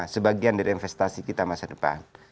sebagian dari investasi kita masa depan